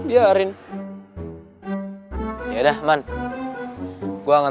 iya sama sama juga